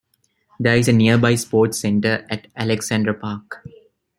There is a nearby sports centre at Alexandra Park.